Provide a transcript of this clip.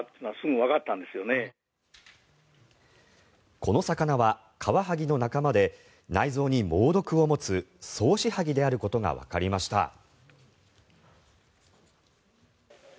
この魚はカワハギの仲間で内臓に猛毒を持つソウシハギであることがわかりました。